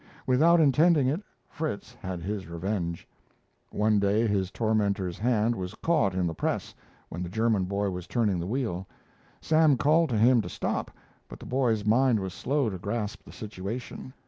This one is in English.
Without intending it, Fritz had his revenge. One day his tormentor's hand was caught in the press when the German boy was turning the wheel. Sam called to him to stop, but the boy's mind was slow to grasp the situation.